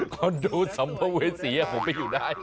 คอนโดสำเฝ้าเวย์สี่อะผมไม่อยู่ได้